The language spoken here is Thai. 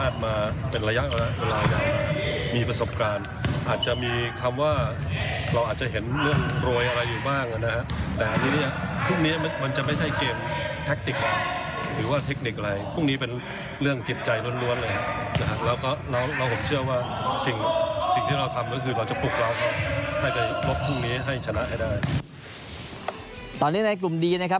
ตอนนี้ในกลุ่มดีนะครับ